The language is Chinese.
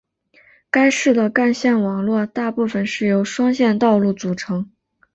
该市的干线网络大部分是由双线道路组成。